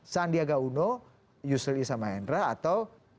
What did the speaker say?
sandiaga uno yusril issa mahendra atau dr reza ramli